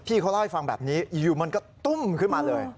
เขาเล่าให้ฟังแบบนี้อยู่มันก็ตุ้มขึ้นมาเลย